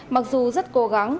mặc dù rất cố gắng